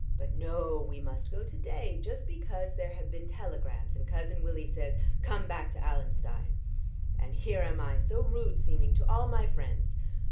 But no, we must go to day just because there have been telegrams, and Cousin Willie says, 'Come back to Allenstein.' And here am I so rude seeming to all my friends.